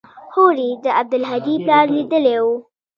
هورې يې د عبدالهادي پلار ليدلى و.